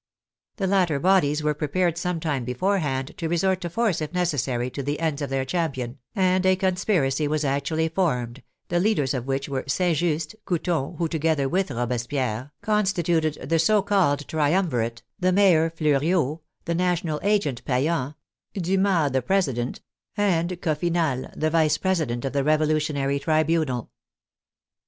The latter bodies were prepared some time beforehand to resort to force if necessary to the ends of their champion, and a conspiracy was actually formed, the leaders of which were St. Just, Couthon, who, together with Robespierre, constituted the so called triumvirate, the Mayor Fleuriot, the *' national agent " Payan, Dumas, the president, and Coffinhal, the vice president of the Revolutionary Tribu nal.